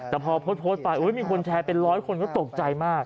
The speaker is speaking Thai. แต่พอโพสต์ไปมีคนแชร์เป็นร้อยคนก็ตกใจมาก